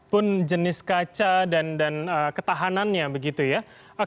pun jenis kaca dan ketahanannya begitu ya